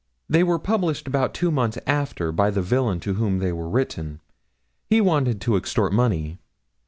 They were published about two months after, by the villain to whom they were written; he wanted to extort money.